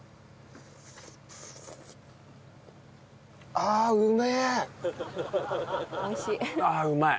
ああうまい！